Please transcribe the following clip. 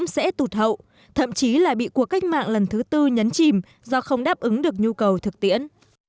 sẽ tụt hậu thậm chí là bị cuộc cách mạng lần thứ tư nhấn chìm do không đáp ứng được nhu cầu thực tiễn